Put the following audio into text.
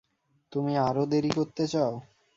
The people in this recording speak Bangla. তুমি আরো দেরি করতে চাও?